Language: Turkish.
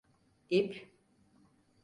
İp…